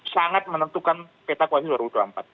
sangat menentukan peta koalisi dua ribu dua puluh empat